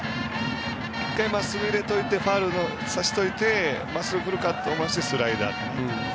１回まっすぐ入れておいてファウルにさせておいてまっすぐ来るかと思わせてスライダーという。